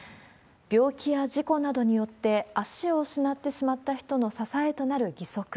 病気や事故などによって、足を失ってしまった人の支えとなる義足。